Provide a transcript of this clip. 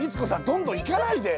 どんどん行かないで。